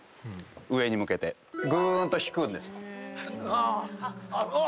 上に向けてぐーんと引くんですよ。